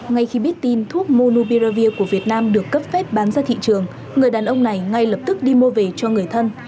ngay khi biết tin thuốc monubiravir của việt nam được cấp phép bán ra thị trường người đàn ông này ngay lập tức đi mua về cho người thân